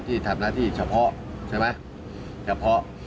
ที่ทำหน้าที่เฉพาะใช่ไหมเฉพาะ